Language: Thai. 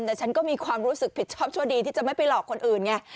แต่ฉันก็มีความรู้สึกผิดชอบชั่วดีที่จะไม่ไปหลอกคนอื่นไง